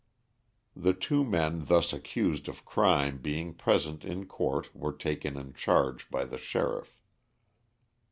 The two men thus accused of crime being present in court were taken in charge by the sheriff.